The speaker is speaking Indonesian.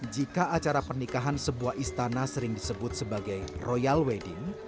jika acara pernikahan sebuah istana sering disebut sebagai royal wedding